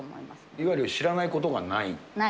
いわゆる知らないことがない？